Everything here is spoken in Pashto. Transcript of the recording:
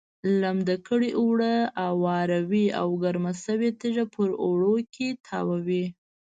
لمده کړې اوړه اواروي او ګرمه شوې تیږه په اوړو کې تاووي.